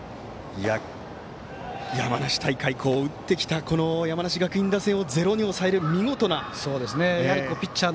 山梨大会で打ってきた山梨学院打線をゼロに抑える見事なピッチング。